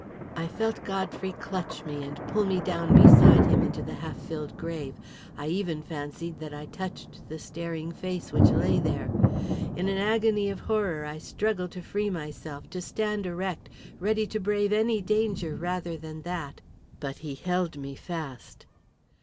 I felt Godfrey clutch me and pull me down beside him into the half filled grave; I even fancied that I touched the staring face which lay there. In an agony of horror I struggled to free myself, to stand erect, ready to brave any danger rather than that, but he held me fast.